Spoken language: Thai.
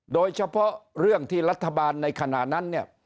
โดยเฉพาะเรื่องที่รัฐบาลในขณะนั้นเนี่ย